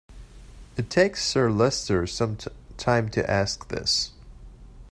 It takes Sir Leicester some time to ask this.